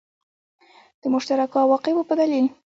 د مشترکو عواقبو په دلیل.